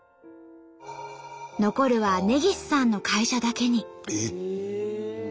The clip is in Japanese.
残るは根岸さんの会社だけに。